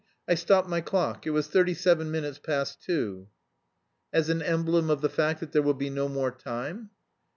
I stopped my clock. It was thirty seven minutes past two." "As an emblem of the fact that there will be no more time?"